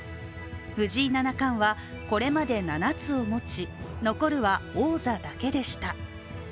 藤井七冠はこれまで７つを持ち、残るは王座だけでした。